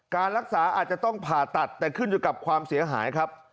การรักษาอาจจะต้องผ่าตัดแต่ขึ้นอยู่กับความเสียหายครับ